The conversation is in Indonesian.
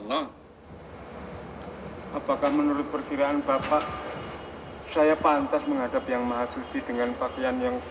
sampai jumpa di video selanjutnya